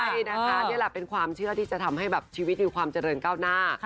ใช่นะคะนี่แหละเป็นความเชื่อที่จะทำให้แบบชีวิตมีความเจริญก้าวหน้า